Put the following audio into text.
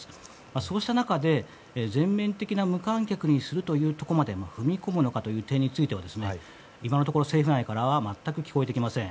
そうした中で、全面的な無観客にするというところまで踏み込むのかという点については今のところ政府内からは全く聞こえてきません。